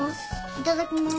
いただきます。